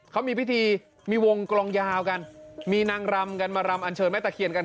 เขามีพิธีมีวงกลองยาวกันมีนางรำกันมารำอันเชิญแม่ตะเคียนกัน